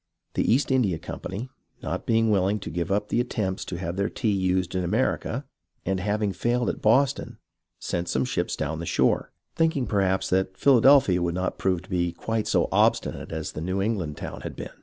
The East India Company, not being wiUing to give up the attempts to have their tea used in America, and having failed at Boston, sent some ships down the shore, thinking perhaps that Philadelphia would not prove to be quite so obstinate as the New England town had been.